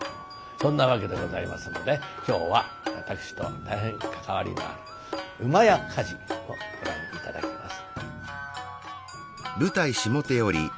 そんなわけでございますので今日は私と大変関わりのある「厩火事」をご覧頂きます。